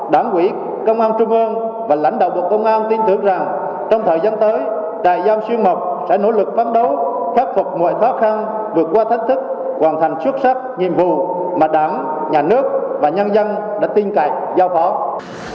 đảng quỹ công an trung ơn và lãnh đạo bộ công an tin tưởng rằng trong thời gian tới trại giao xuyên mộc sẽ nỗ lực phán đấu khắc phục mọi khó khăn vượt qua thách thức hoàn thành xuất sắc nhiệm vụ mà đảng nhà nước và nhân dân đã tiêu chí cho chúng ta